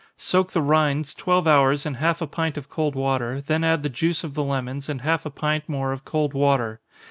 Soak the rinds twelve hours in half a pint of cold water, then add the juice of the lemons, and half a pint more of cold water.